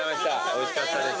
おいしかったです。